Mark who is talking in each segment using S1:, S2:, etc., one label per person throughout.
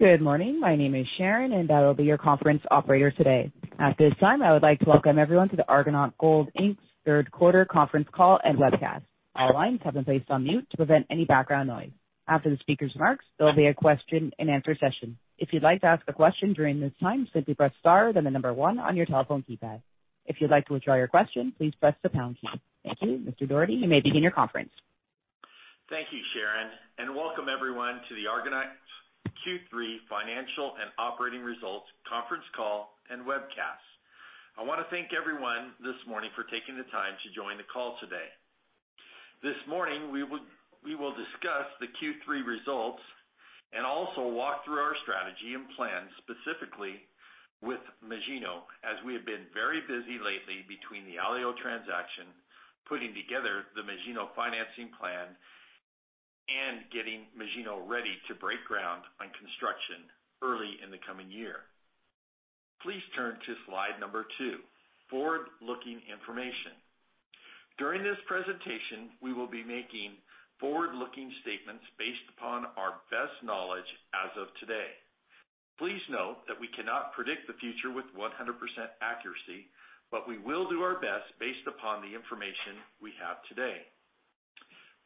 S1: Good morning. My name is Sharon. I will be your conference operator today. At this time, I would like to welcome everyone to the Argonaut Gold Inc.'s third quarter conference call and webcast. All lines have been placed on mute to prevent any background noise. After the speaker's remarks, there will be a question-and-answer session. If you'd like to ask a question during this time, simply press star then the number one on your telephone keypad. If you'd like to withdraw your question, please press the pound key. Thank you. Mr. Dougherty, you may begin your conference.
S2: Thank you, Sharon, welcome everyone to the Argonaut Q3 Financial and Operating Results Conference Call and Webcast. I want to thank everyone this morning for taking the time to join the call today. This morning, we will discuss the Q3 results and also walk through our strategy and plan specifically with Magino, as we have been very busy lately between the Alio transaction, putting together the Magino financing plan, and getting Magino ready to break ground on construction early in the coming year. Please turn to slide number two, forward-looking information. During this presentation, we will be making forward-looking statements based upon our best knowledge as of today. Please note that we cannot predict the future with 100% accuracy, we will do our best based upon the information we have today.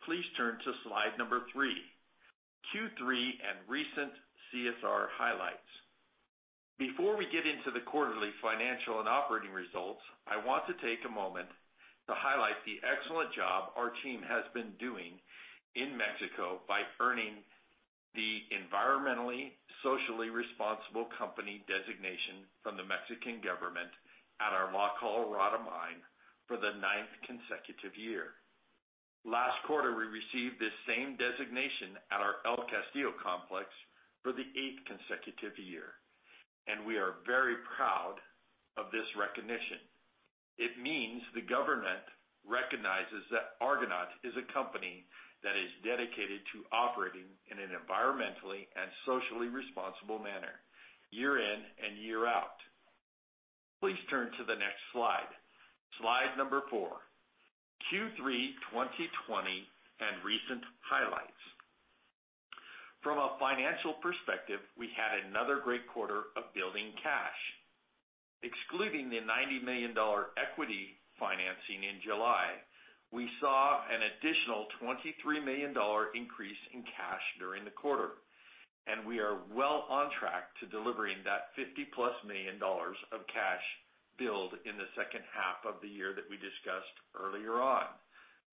S2: Please turn to slide number three, Q3 and recent CSR highlights. Before we get into the quarterly financial and operating results, I want to take a moment to highlight the excellent job our team has been doing in Mexico by earning the environmentally socially responsible company designation from the Mexican government at our La Colorada mine for the ninth consecutive year. Last quarter, we received this same designation at our El Castillo complex for the eighth consecutive year, and we are very proud of this recognition. It means the government recognizes that Argonaut is a company that is dedicated to operating in an environmentally and socially responsible manner year in and year out. Please turn to the next slide. Slide number four, Q3 2020 and recent highlights. From a financial perspective, we had another great quarter of building cash. Excluding the $90 million equity financing in July, we saw an additional $23 million increase in cash during the quarter, and we are well on track to delivering that $50-plus million of cash build in the second half of the year that we discussed earlier on,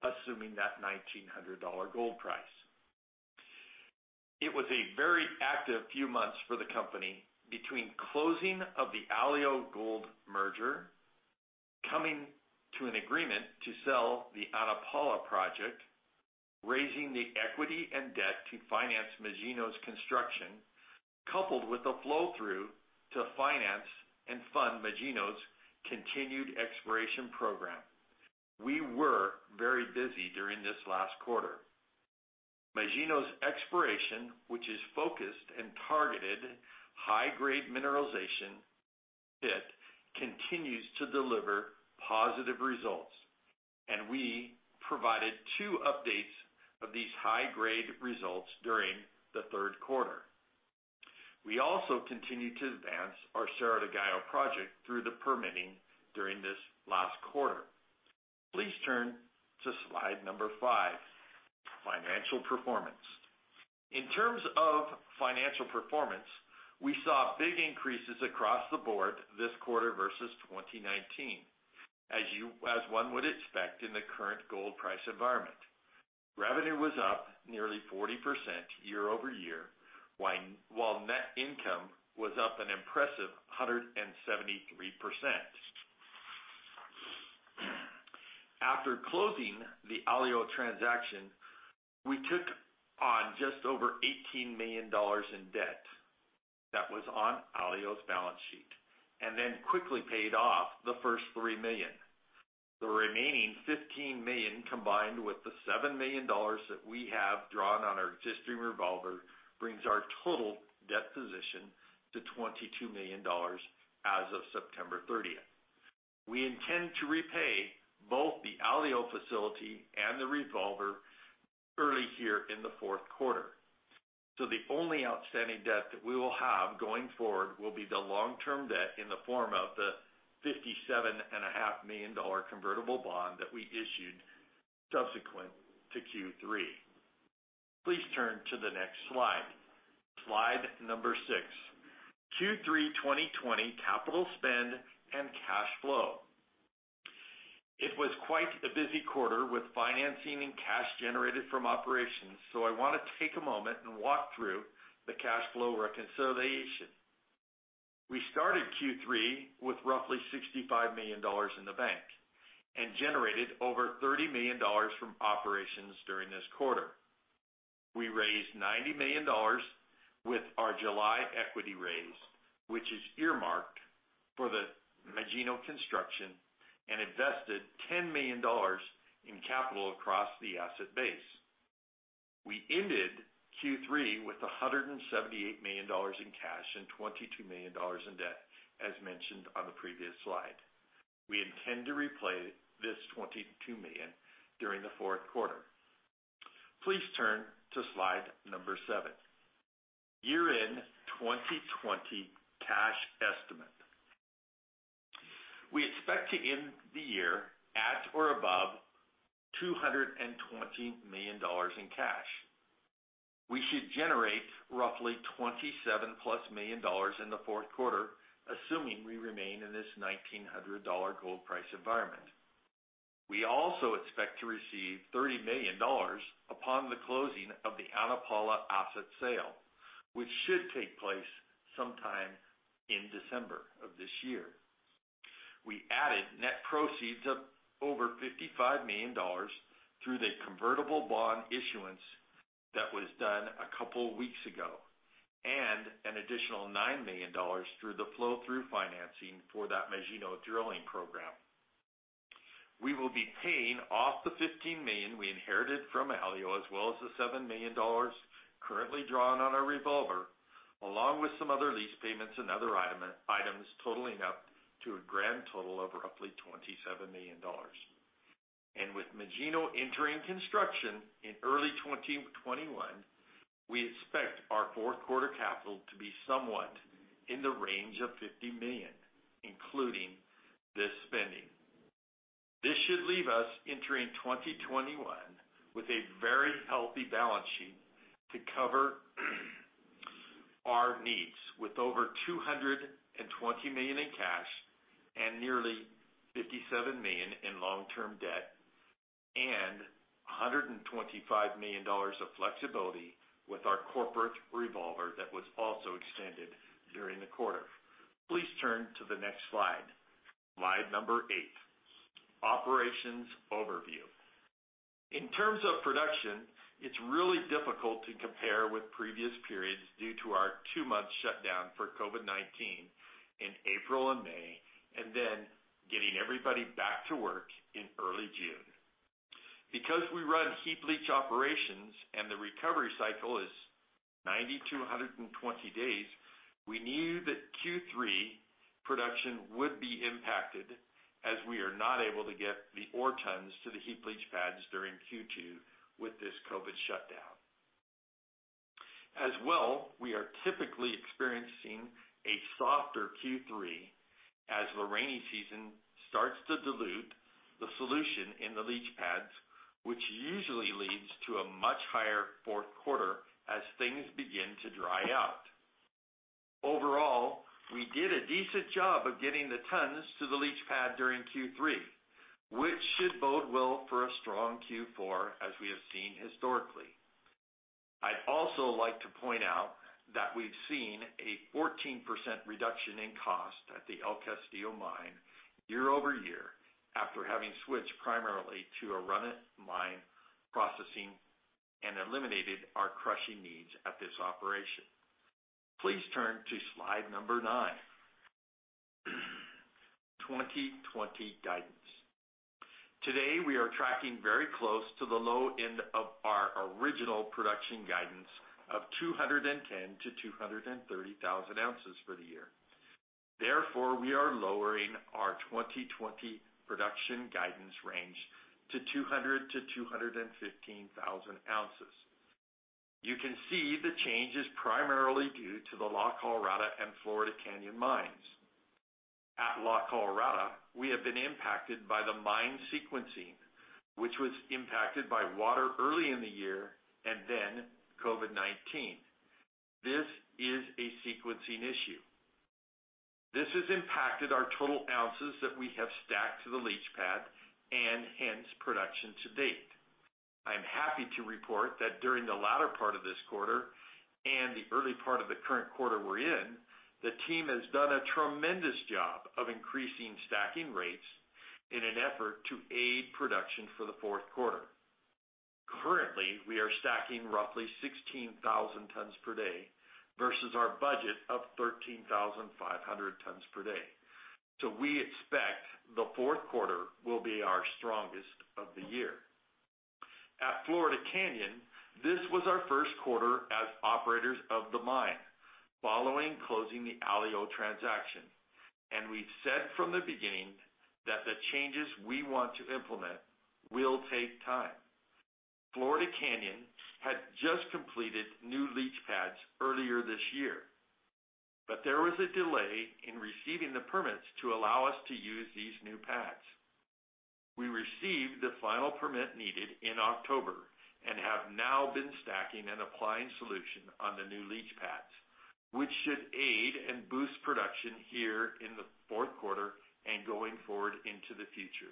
S2: assuming that $1,900 gold price. It was a very active few months for the company between closing of the Alio Gold merger, coming to an agreement to sell the Ana Paula project, raising the equity and debt to finance Magino's construction, coupled with the flow-through to finance and fund Magino's continued exploration program. We were very busy during this last quarter. Magino's exploration, which is focused and targeted high-grade mineralization, it continues to deliver positive results, and we provided two updates of these high grade results during the third quarter. We also continued to advance our Cerro del Gallo project through the permitting during this last quarter. Please turn to slide number five, financial performance. In terms of financial performance, we saw big increases across the board this quarter versus 2019, as one would expect in the current gold price environment. Revenue was up nearly 40% year-over-year, while net income was up an impressive 173%. After closing the Alio transaction, we took on just over 18 million dollars in debt that was on Alio's balance sheet, and then quickly paid off the first 3 million. The remaining 15 million, combined with the 7 million dollars that we have drawn on our existing revolver, brings our total debt position to $22 million as of September 30th. We intend to repay both the Alio facility and the revolver early here in the fourth quarter. The only outstanding debt that we will have going forward will be the long-term debt in the form of the 57.5 million dollar convertible bond that we issued subsequent to Q3. Please turn to the next slide. Slide number six, Q3 2020 capital spend and cash flow. It was quite a busy quarter with financing and cash generated from operations. I want to take a moment and walk through the cash flow reconciliation. We started Q3 with roughly $65 million in the bank and generated over $30 million from operations during this quarter. We raised $90 million with our July equity raise, which is earmarked for the Magino construction, and invested $10 million in capital across the asset base. We ended Q3 with $178 million in cash and $22 million in debt, as mentioned on the previous slide. We intend to repay this 22 million during the fourth quarter. Please turn to slide seven. Year-end 2020 cash estimate. We expect to end the year at or above 220 million dollars in cash. We should generate roughly 27-plus million dollars in the fourth quarter, assuming we remain in this $1,900 gold price environment. We also expect to receive 30 million dollars upon the closing of the Ana Paula asset sale, which should take place sometime in December of this year. We added net proceeds of over 55 million dollars through the convertible bond issuance that was done a couple of weeks ago, an additional 9 million dollars through the flow-through financing for that Magino drilling program. We will be paying off the 15 million we inherited from Alio, as well as the 7 million dollars currently drawn on our revolver, along with some other lease payments and other items totaling up to a grand total of roughly 27 million dollars. With Magino entering construction in early 2021, we expect our fourth quarter capital to be somewhat in the range of 50 million, including this spending. This should leave us entering 2021 with a very healthy balance sheet to cover our needs, with over 220 million in cash and nearly 57 million in long-term debt, and 125 million dollars of flexibility with our corporate revolver that was also extended during the quarter. Please turn to the next slide number eight. Operations overview. In terms of production, it is really difficult to compare with previous periods due to our two-month shutdown for COVID-19 in April and May, and then getting everybody back to work in early June. Because we run heap leach operations and the recovery cycle is 90 to 120 days, we knew that Q3 production would be impacted, as we are not able to get the ore tons to the heap leach pads during Q2 with this COVID shutdown. As well, we are typically experiencing a softer Q3 as the rainy season starts to dilute the solution in the leach pads, which usually leads to a much higher fourth quarter as things begin to dry out. Overall, we did a decent job of getting the tons to the leach pad during Q3, which should bode well for a strong Q4, as we have seen historically. I'd also like to point out that we've seen a 14% reduction in cost at the El Castillo mine year over year after having switched primarily to a run-of-mine processing and eliminated our crushing needs at this operation. Please turn to slide number nine. 2020 guidance. Today, we are tracking very close to the low end of our original production guidance of 210,000-230,000 ounces for the year. We are lowering our 2020 production guidance range to 200,000-215,000 ounces. You can see the change is primarily due to the La Colorada and Florida Canyon mines. At La Colorada, we have been impacted by the mine sequencing, which was impacted by water early in the year and then COVID-19. This is a sequencing issue. This has impacted our total ounces that we have stacked to the leach pad, and hence, production to date. I'm happy to report that during the latter part of this quarter and the early part of the current quarter we're in, the team has done a tremendous job of increasing stacking rates in an effort to aid production for the fourth quarter. Currently, we are stacking roughly 16,000 tons per day versus our budget of 13,500 tons per day. We expect the fourth quarter will be our strongest of the year. At Florida Canyon, this was our first quarter as operators of the mine following closing the Alio transaction. We've said from the beginning that the changes we want to implement will take time. Florida Canyon had just completed new leach pads earlier this year, there was a delay in receiving the permits to allow us to use these new pads. We received the final permit needed in October and have now been stacking and applying solution on the new leach pads, which should aid and boost production here in the fourth quarter and going forward into the future,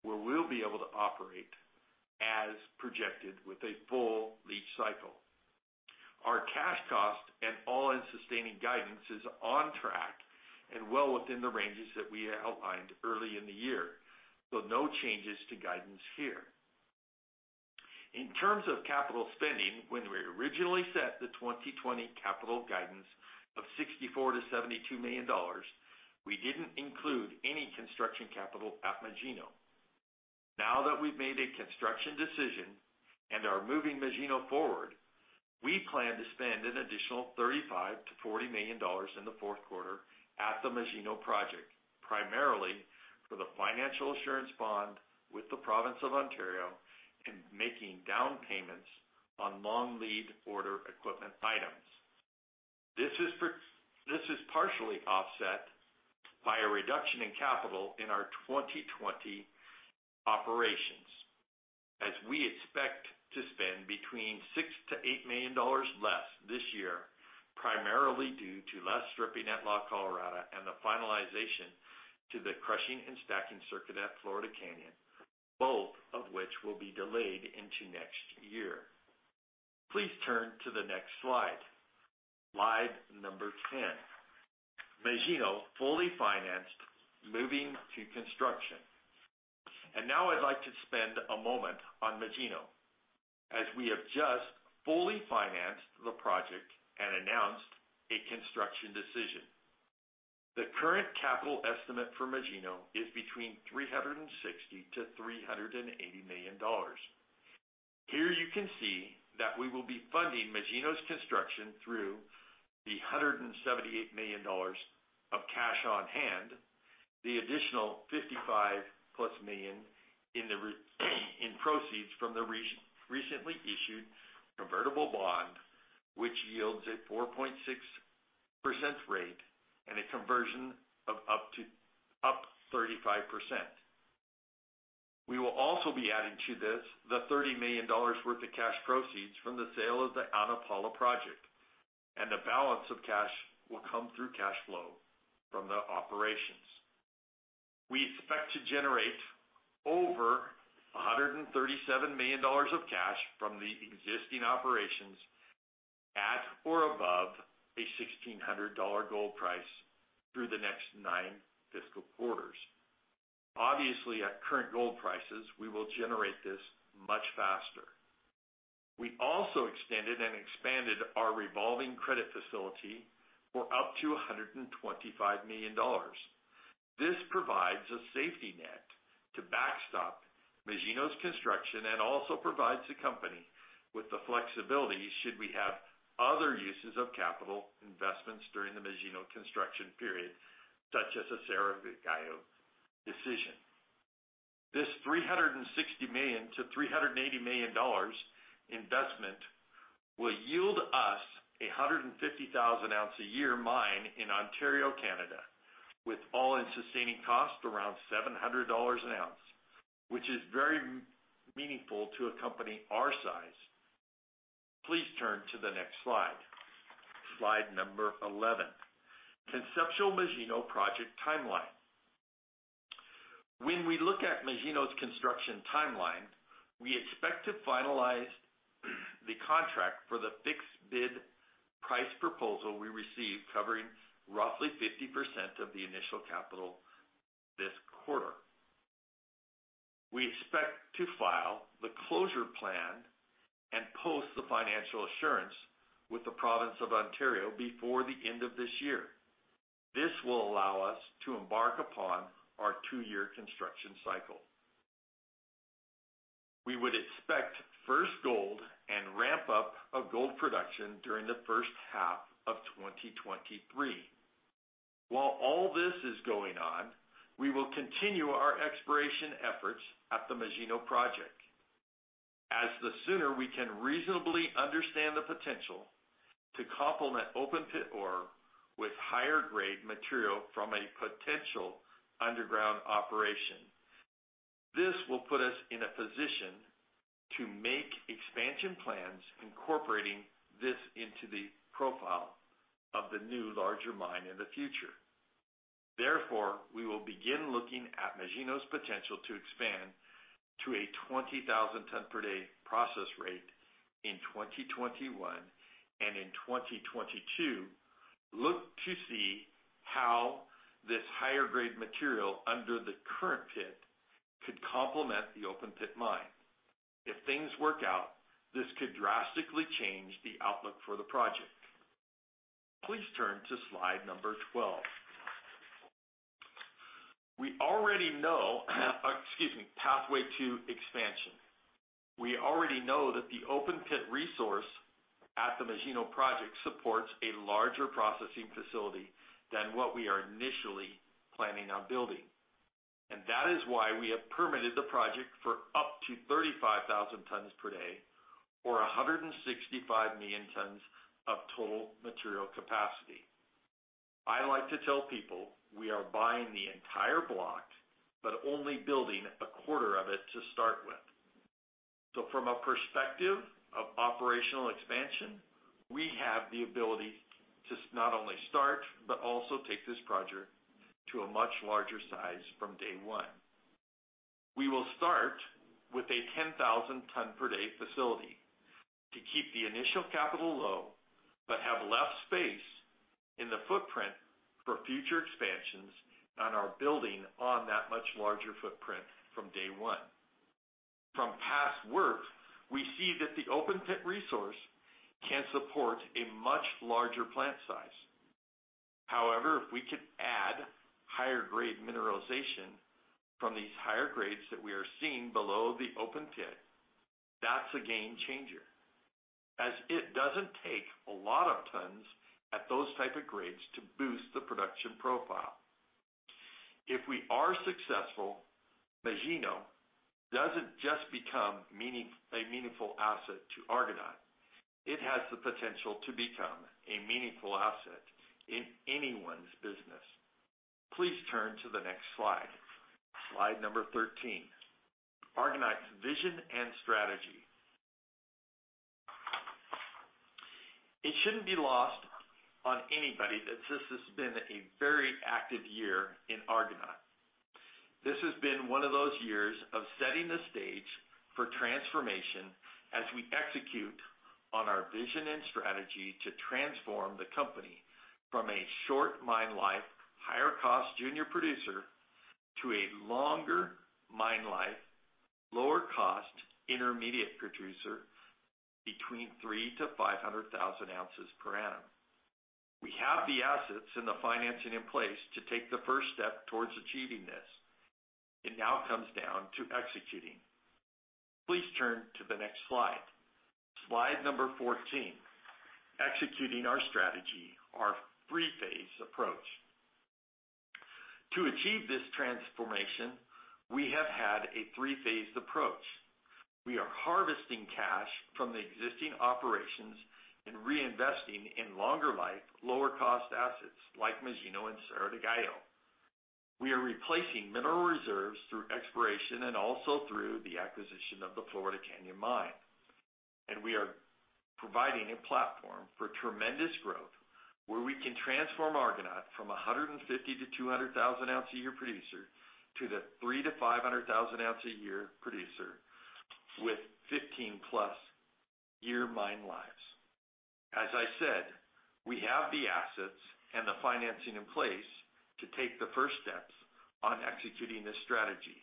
S2: where we'll be able to operate as projected with a full leach cycle. Our cash cost and all-in sustaining guidance is on track and well within the ranges that we outlined early in the year. No changes to guidance here. In terms of capital spending, when we originally set the 2020 capital guidance of 64 million-72 million dollars, we didn't include any construction capital at Magino. Now that we've made a construction decision and are moving Magino forward. We plan to spend an additional 35 million-40 million dollars in the fourth quarter at the Magino project, primarily for the financial assurance bond with the Province of Ontario and making down payments on long lead order equipment items. This is partially offset by a reduction in capital in our 2020 operations, as we expect to spend between 6 million-8 million dollars less this year, primarily due to less stripping at La Colorada and the finalization to the crushing and stacking circuit at Florida Canyon, both of which will be delayed into next year. Please turn to the next slide. Slide 10. Magino fully financed, moving to construction. Now I'd like to spend a moment on Magino, as we have just fully financed the project and announced a construction decision. The current capital estimate for Magino is between $360 million-$380 million. Here you can see that we will be funding Magino's construction through the $178 million of cash on hand, the additional 55 plus million in proceeds from the recently issued convertible bond, which yields a 4.6% rate and a conversion of up 35%. We will also be adding to this, the $30 million worth of cash proceeds from the sale of the Ana Paula project, and the balance of cash will come through cash flow from the operations. We expect to generate over $137 million of cash from the existing operations at or above a $1,600 gold price through the next nine fiscal quarters. Obviously, at current gold prices, we will generate this much faster. We also extended and expanded our revolving credit facility for up to $125 million. This provides a safety net to backstop Magino's construction and also provides the company with the flexibility should we have other uses of capital investments during the Magino construction period, such as a Cerro del Gallo decision. This $360 million-$380 million investment will yield us a 150,000-ounce a year mine in Ontario, Canada, with all-in sustaining costs around 700 dollars an ounce, which is very meaningful to a company our size. Please turn to the next slide. Slide number 11. Conceptual Magino project timeline. When we look at Magino's construction timeline, we expect to finalize the contract for the fixed bid price proposal we received covering roughly 50% of the initial capital this quarter. We expect to file the closure plan and post the financial assurance with the province of Ontario before the end of this year. This will allow us to embark upon our two-year construction cycle. We would expect first gold and ramp up of gold production during the first half of 2023. While all this is going on, we will continue our exploration efforts at the Magino Project, as the sooner we can reasonably understand the potential to complement open pit ore with higher grade material from a potential underground operation. This will put us in a position to make expansion plans incorporating this into the profile of the new larger mine in the future. Therefore, we will begin looking at Magino's potential to expand to a 20,000 ton per day process rate in 2021, and in 2022, look to see how this higher grade material under the current pit could complement the open pit mine. If things work out, this could drastically change the outlook for the project. Please turn to slide number 12. We already know. Excuse me, pathway to expansion. We already know that the open pit resource at the Magino project supports a larger processing facility than what we are initially planning on building. That is why we have permitted the project for up to 35,000 tons per day or 165 million tons of total material capacity. I like to tell people we are buying the entire block, but only building a quarter of it to start with. From a perspective of operational expansion, we have the ability to not only start but also take this project to a much larger size from day one. We will start with a 10,000 ton per day facility to keep the initial capital low, but have left space in the footprint for future expansions on our building on that much larger footprint from day one. From past work, we see that the open pit resource can support a much larger plant size. However, higher grade mineralization from these higher grades that we are seeing below the open pit, that's a game changer, as it doesn't take a lot of tons at those type of grades to boost the production profile. If we are successful, Magino doesn't just become a meaningful asset to Argonaut, it has the potential to become a meaningful asset in anyone's business. Please turn to the next slide. Slide number 13. Argonaut's vision and strategy. It shouldn't be lost on anybody that this has been a very active year in Argonaut. This has been one of those years of setting the stage for transformation as we execute on our vision and strategy to transform the company from a short mine life, higher cost junior producer, to a longer mine life, lower cost intermediate producer between three to 500,000 ounces per annum. We have the assets and the financing in place to take the first step towards achieving this. It now comes down to executing. Please turn to the next slide. Slide number 14. Executing our strategy, our three-phase approach. To achieve this transformation, we have had a three-phased approach. We are harvesting cash from the existing operations and reinvesting in longer life, lower cost assets like Magino and Cerro del Gallo. We are replacing mineral reserves through exploration and also through the acquisition of the Florida Canyon Mine. We are providing a platform for tremendous growth where we can transform Argonaut from 150,000-200,000 ounce a year producer, to the 300,000-500,000 ounce a year producer with 15+ year mine lives. As I said, we have the assets and the financing in place to take the first steps on executing this strategy,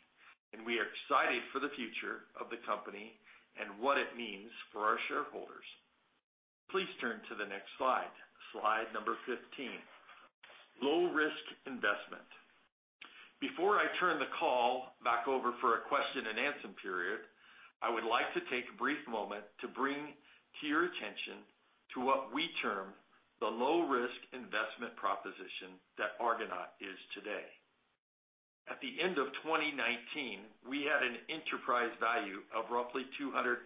S2: and we are excited for the future of the company and what it means for our shareholders. Please turn to the next slide. Slide number 15. Low risk investment. Before I turn the call back over for a question and answer period, I would like to take a brief moment to bring to your attention to what we term the low risk investment proposition that Argonaut is today. At the end of 2019, we had an enterprise value of roughly $235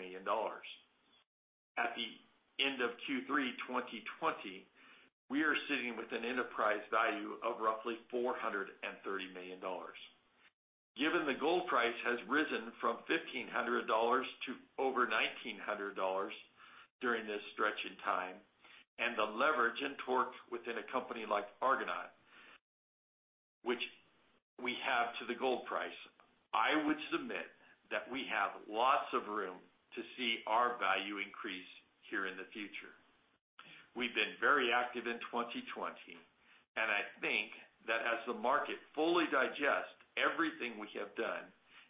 S2: million. At the end of Q3 2020, we are sitting with an enterprise value of roughly $430 million. Given the gold price has risen from $1,500 to over $1,900 during this stretch in time, and the leverage and torque within a company like Argonaut, which we have to the gold price, I would submit that we have lots of room to see our value increase here in the future. I think that as the market fully digests everything we have done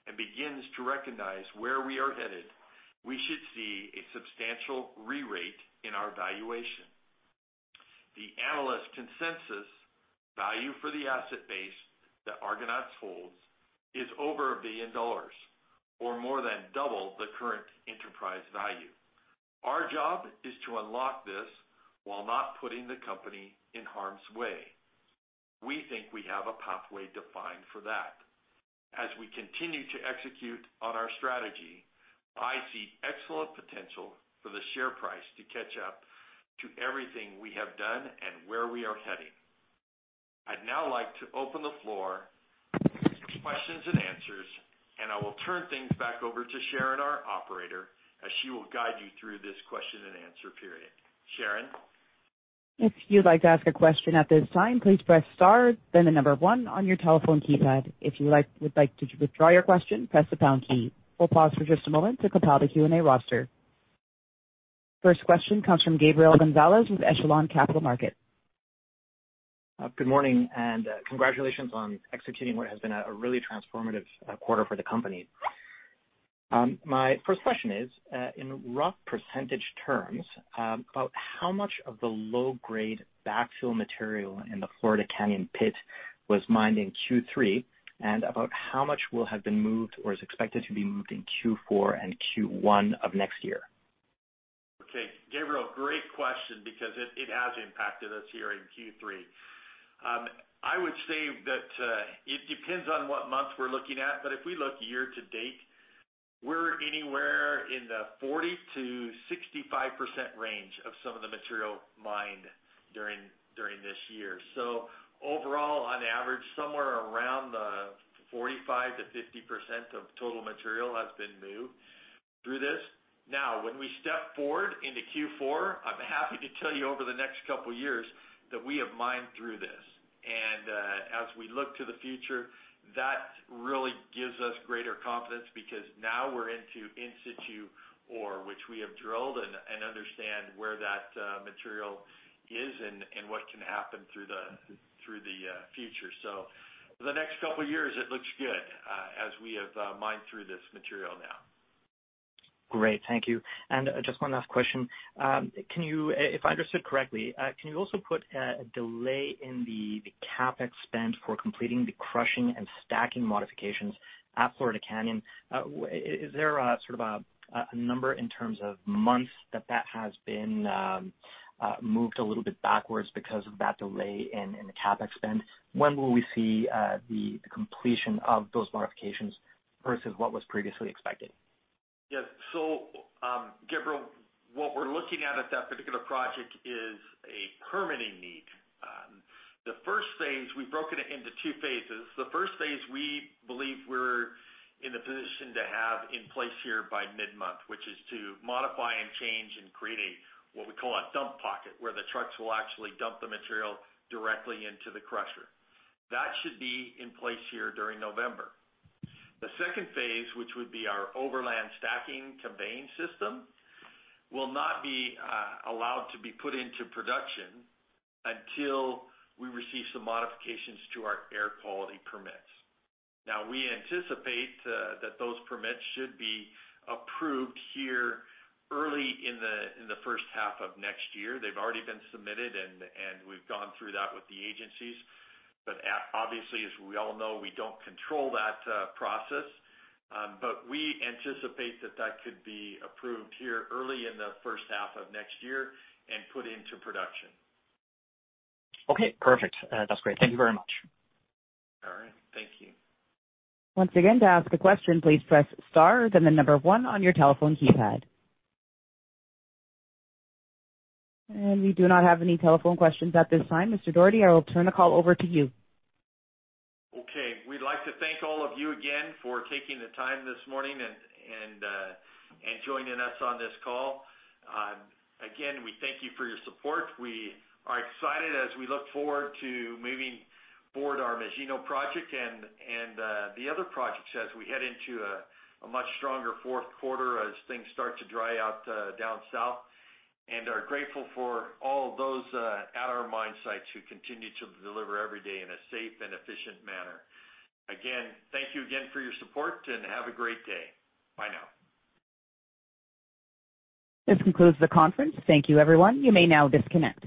S2: and begins to recognize where we are headed, we should see a substantial re-rate in our valuation. The analyst consensus value for the asset base that Argonaut holds is over $1 billion or more than double the current enterprise value. Our job is to unlock this while not putting the company in harm's way. We think we have a pathway defined for that. As we continue to execute on our strategy, I see excellent potential for the share price to catch up to everything we have done and where we are heading. I'd now like to open the floor for questions and answers, and I will turn things back over to Sharon, our operator, as she will guide you through this question and answer period. Sharon?
S1: First question comes from Gabriel Gonzalez with Echelon Capital Markets.
S3: Good morning, and congratulations on executing what has been a really transformative quarter for the company. My first question is, in rough percentage terms, about how much of the low grade backfill material in the Florida Canyon pit was mined in Q3? About how much will have been moved or is expected to be moved in Q4 and Q1 of next year?
S2: Okay. Gabriel, great question because it has impacted us here in Q3. I would say that it depends on what month we're looking at, but if we look year to date, we're anywhere in the 40%-65% range of some of the material mined during this year. Overall, on average, somewhere around the 45%-50% of total material has been moved through this. When we step forward into Q4, I'm happy to tell you over the next couple years that we have mined through this. As we look to the future, that really gives us greater confidence because now we're into in situ ore, which we have drilled and understand where that material is and what can happen through the future. For the next couple years, it looks good as we have mined through this material now.
S3: Great. Thank you. Just one last question. If I understood correctly, can you also put a delay in the CapEx spend for completing the crushing and stacking modifications at Florida Canyon? Is there a number in terms of months that has been moved a little bit backwards because of that delay in the CapEx spend? When will we see the completion of those modifications versus what was previously expected?
S2: Yes. Gabriel, what we're looking at that particular project is a permitting need. We've broken it into two phases. The first phase, we believe we're in the position to have in place here by mid-month, which is to modify and change and create what we call a dump pocket, where the trucks will actually dump the material directly into the crusher. That should be in place here during November. The second phase, which would be our overland stacking conveying system, will not be allowed to be put into production until we receive some modifications to our air quality permits. We anticipate that those permits should be approved here early in the first half of next year. They've already been submitted, and we've gone through that with the agencies. Obviously, as we all know, we don't control that process. We anticipate that could be approved here early in the first half of next year and put into production.
S3: Okay, perfect. That's great. Thank you very much.
S2: All right. Thank you.
S1: Once again, to ask a question, please press star, then the number one on your telephone keypad. We do not have any telephone questions at this time. Mr. Dougherty, I will turn the call over to you.
S2: Okay. We'd like to thank all of you again for taking the time this morning and joining us on this call. Again, we thank you for your support. We are excited as we look forward to moving forward our Magino project and the other projects as we head into a much stronger fourth quarter as things start to dry out down south, and are grateful for all of those at our mine sites who continue to deliver every day in a safe and efficient manner. Again, thank you again for your support, and have a great day. Bye now.
S1: This concludes the conference. Thank you, everyone. You may now disconnect.